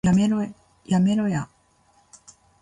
やめろや